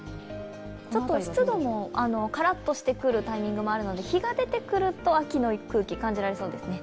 湿度もカラッとしてくるタイミングもあるので、日が出てくると秋の空気感じられそうですね。